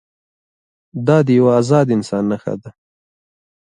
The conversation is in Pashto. دا د یوه ازاد انسان نښه ده.